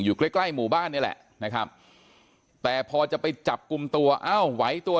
อยู่ใกล้ใกล้หมู่บ้านนี่แหละนะครับแต่พอจะไปจับกลุ่มตัวอ้าวไหวตัว